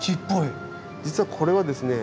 実はこれはですね